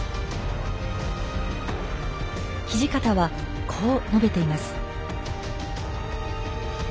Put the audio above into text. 土方はこう述べています。